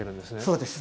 そうです。